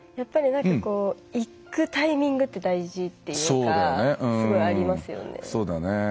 行くタイミングって大事っていうかすごいありますよね。